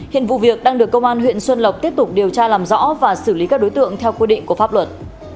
hiện vụ việc đang được công an huyện xuân lộc tiếp tục điều tra làm rõ và xử lý các đối tượng theo quy định của pháp luật